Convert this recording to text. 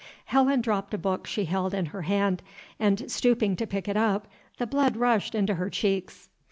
Helen dropped a book she held in her hand, and, stooping to pick it up, the blood rushed into her cheeks.